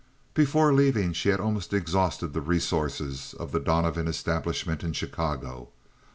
Before leaving she had almost exhausted the resources of the Donovan establishment in Chicago.